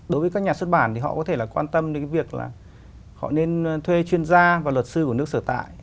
đối với các nhà xuất bản thì họ có thể là quan tâm đến cái việc là họ nên thuê chuyên gia và luật sư của nước sở tại